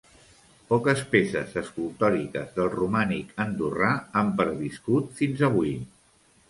Poques peces escultòriques del Romànic andorrà han perviscut fins avui.